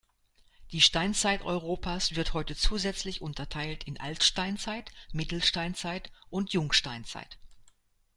Die Steinzeit Europas wird heute zusätzlich unterteilt in Altsteinzeit, Mittelsteinzeit und Jungsteinzeit.